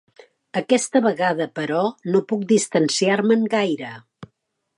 Aquesta vegada, però, no puc distanciar-me'n gaire.